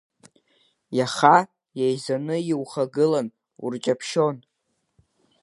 Иаха еизаны иухагылан, урҷаԥшьон…